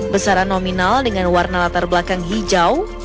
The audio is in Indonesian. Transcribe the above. besaran nominal dengan warna latar belakang hijau